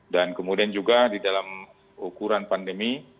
dan kemudian juga di dalam ukuran pandemi